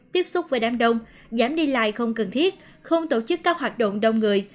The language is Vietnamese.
tiếp xúc với đám đông giảm đi lại không cần thiết không tổ chức các hoạt động đông người